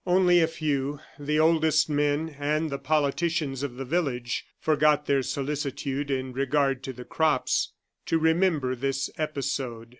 Only a few, the oldest men and the politicians of the village, forgot their solicitude in regard to the crops to remember this episode.